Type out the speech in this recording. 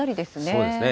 そうですね。